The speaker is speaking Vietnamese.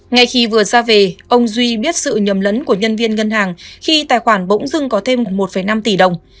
ngay khi vừa ra về ông duy biết sự nhầm lẫn của nhân viên ngân hàng khi tài khoản bỗng dưng có thêm một năm tỷ đồng